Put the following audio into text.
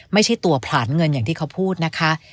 ไม่ใช่ตัวผลานเงินอย่างที่เขาพูดนะคะ